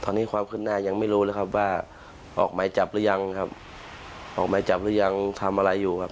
ตอนนี้ความขึ้นหน้ายังไม่รู้เลยครับว่าออกหมายจับหรือยังครับออกหมายจับหรือยังทำอะไรอยู่ครับ